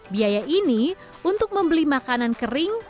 biaya ini untuk membeli makanan kering